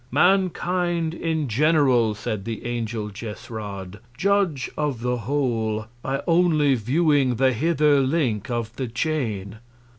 Mankind in general, said the Angel Jesrad, judge of the Whole, by only viewing the hither Link of the Chain.